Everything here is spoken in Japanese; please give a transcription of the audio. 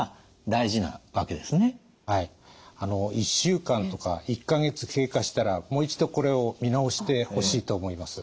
１週間とか１か月経過したらもう一度これを見直してほしいと思います。